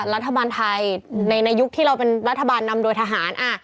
รัฐบาลไทยในยุคที่เราเป็นรัฐบาลนำโดยทหาร